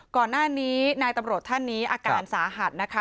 ก่อนหน้านี้นายตำรวจท่านนี้อาการสาหัสนะคะ